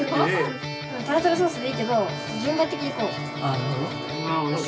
タルタルソースでいいけど順番的にこう。